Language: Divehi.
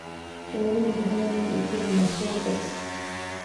އޭރުން ޖެހޭނީ އިތުރު މައްސަލަތަކެއް